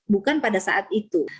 bukan pada saat itu